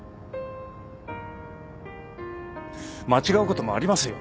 間違うこともありますよ。